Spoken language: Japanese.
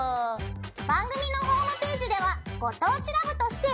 番組のホームページでは「ご当地ＬＯＶＥ」として。